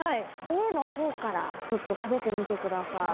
「Ａ」のほうからちょっと食べてみてください。